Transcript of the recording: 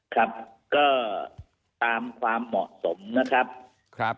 ครับก็ตามความเหมาะสมนะครับครับ